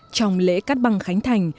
trong lễ cắt băng khánh thành